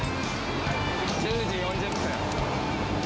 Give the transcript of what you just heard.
１０時４０分。